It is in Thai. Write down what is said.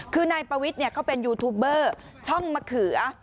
คือนายปวิทย์เขาเป็นยูทูบเบอร์ช่องมะเขือ